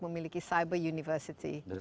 memiliki cyber university